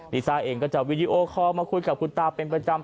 ลิซ่าเองก็จะวีดีโอคอลมาคุยกับคุณตาเป็นประจำ